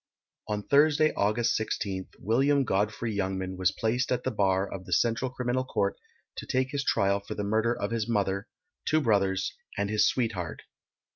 On Thursday, August 16th, William Godfrey Youngman was placed at the bar of the Central Criminal Court to take his trial for the murder of his mother, two brothers, and his sweetheart.